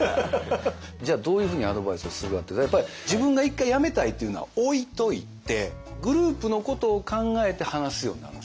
じゃあどういうふうにアドバイスをするかっていったら自分が一回辞めたいっていうのは置いといてグループのことを考えて話すようになるんです。